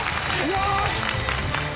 よし！